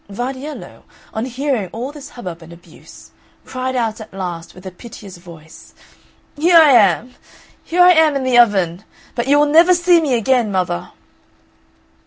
Vardiello, on hearing all this hubbub and abuse, cried out at last with a piteous voice, "Here I am! here I am in the oven; but you will never see me again, mother!"